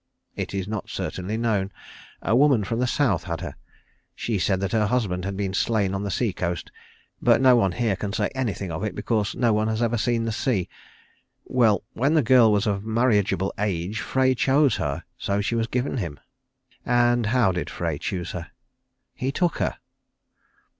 "It is not certainly known. A woman from the South had her. She said that her husband had been slain on the sea coast; but no one here can say anything of it because no one has ever seen the sea. Well, when the girl was of marriageable age Frey chose her; so she was given him." "And how did Frey choose her?" "He took her."